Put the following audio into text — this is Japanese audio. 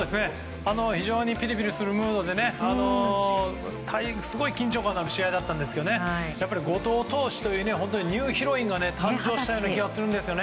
非常にピリピリするムードですごい緊張感がある試合だったんですけど後藤投手という本当にニューヒロインが誕生したような気がするんですよね。